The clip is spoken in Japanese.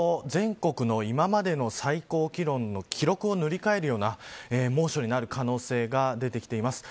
ひょっとすると全国の今までの最高気温の記録を塗り替えるような猛暑になる可能性が出てきています。